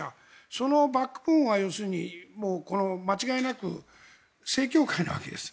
そのバックボーンは要するに間違いなく正教会のわけです。